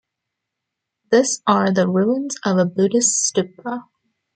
This are the ruins of a Buddhist Stupa.